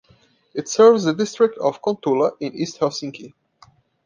It serves the district of Kontula in East Helsinki.